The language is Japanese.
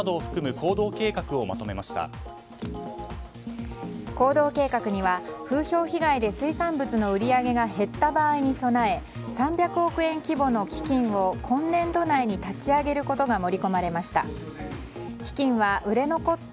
行動計画には風評被害で水産物の売り上げが減った場合に備え３００億円規模の基金を今年度内に立ち上げることが盛り込まれました。